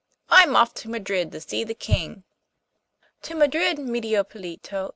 I'm off to Madrid to see the King.' 'To Madrid, Medio Pollito!